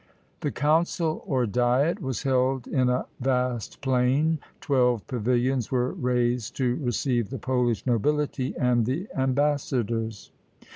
The council or diet was held in a vast plain. Twelve pavilions were raised to receive the Polish nobility and the ambassadors.